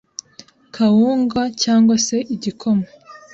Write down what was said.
kawunga cg se igikoma